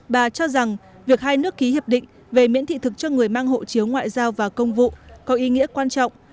bà cho rằng việc hai nước ký hiệp định về miễn thị thực cho người mang hộ chiếu ngoại giao và công vụ có ý nghĩa quan trọng